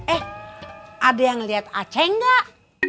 eh ada yang liat aceh enggak